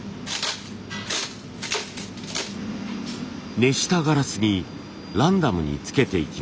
熱したガラスにランダムにつけていきます。